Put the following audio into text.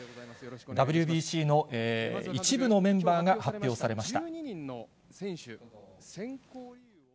ＷＢＣの一部のメンバーが発表されました。